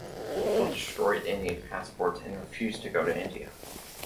People destroyed Indian passports and refused to go to India.